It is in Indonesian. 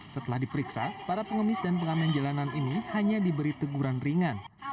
setelah diperiksa para pengemis dan pengamen jalanan ini hanya diberi teguran ringan